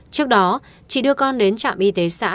trước đó chị đưa con đến trạm y tế xã